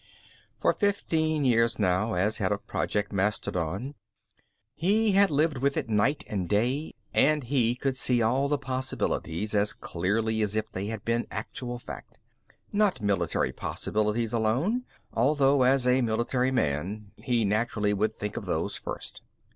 For fifteen years now, as head of Project Mastodon, he had lived with it night and day and he could see all the possibilities as clearly as if they had been actual fact. Not military possibilities alone, although as a military man, he naturally would think of those first.